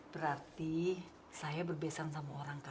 berarti saya berbiasa sama orang lain